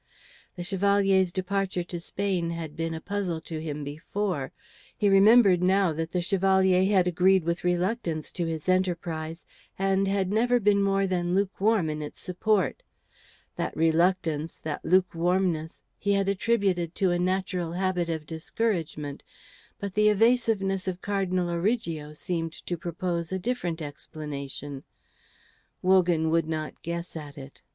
The Chevalier's departure to Spain had been a puzzle to him before; he remembered now that the Chevalier had agreed with reluctance to his enterprise, and had never been more than lukewarm in its support. That reluctance, that lukewarmness, he had attributed to a natural habit of discouragement; but the evasiveness of Cardinal Origo seemed to propose a different explanation. Wogan would not guess at it.